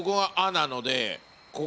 なので